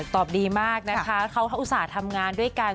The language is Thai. ตอบดีมากนะคะเขาอุตส่าห์ทำงานด้วยกัน